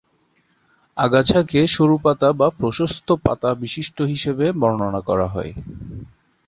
আগাছাকে সরুপাতা বা প্রশস্ত পাতাবিশিষ্ট হিসেবে বর্ণনা করা হয়।